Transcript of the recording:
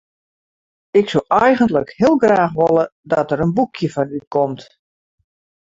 Ik soe eigentlik heel graach wolle dat der in boekje fan útkomt.